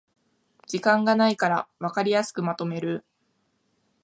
時間がないからわかりやすくまとめる